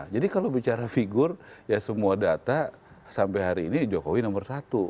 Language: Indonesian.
jadi kalau bicara figur ya semua data sampai hari ini jokowi nomor satu